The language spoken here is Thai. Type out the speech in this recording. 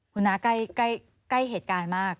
คุณน้าใกล้เหตุการณ์มาก